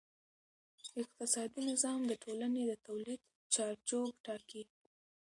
اقتصادي نظام د ټولنې د تولید چارچوب ټاکي.